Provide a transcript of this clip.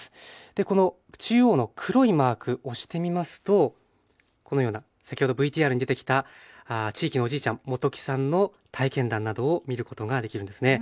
でこの中央の黒いマーク押してみますとこのような先ほどＶＴＲに出てきた地域のおじいちゃん元木さんの体験談などを見ることができるんですね。